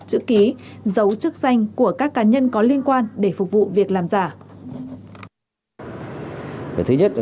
chữ ký giấu chức danh của các cá nhân có liên quan để phục vụ việc làm giả